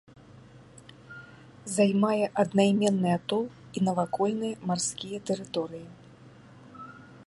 Займае аднайменны атол і навакольныя марскія тэрыторыі.